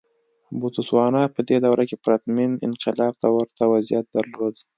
بوتسوانا په دې دوره کې پرتمین انقلاب ته ورته وضعیت درلود.